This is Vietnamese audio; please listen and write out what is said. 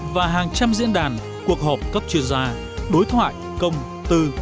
và hàng trăm diễn đàn cuộc họp cấp chuyên gia đối thoại công tư